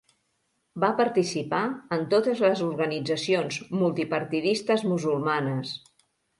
Va participar en totes les organitzacions multipartidistes musulmanes.